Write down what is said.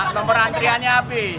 nomor antriannya habis